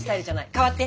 代わって！